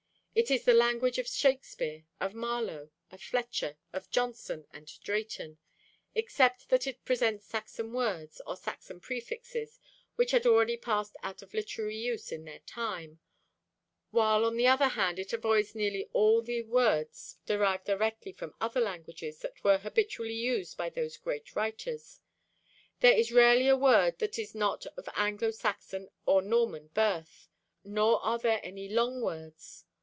It is the language of Shakespeare, of Marlowe, of Fletcher, of Jonson and Drayton, except that it presents Saxon words or Saxon prefixes which had already passed out of literary use in their time, while on the other hand it avoids nearly all the words derived directly from other languages that were habitually used by those great writers. There is rarely a word that is not of Anglo Saxon or Norman birth. Nor are there any long words.